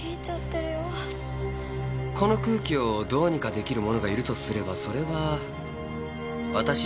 この空気をどうにかできる者がいるとすればそれは私しかいないだろう。